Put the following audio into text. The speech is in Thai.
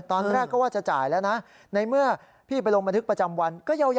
ตอนแรกก็ว่าจะจ่ายแล้วนะในเมื่อพี่ไปลงบันทึกประจำวันก็ยาว